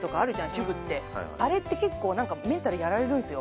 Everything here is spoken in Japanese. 主婦ってあれって結構何かメンタルやられるんですよ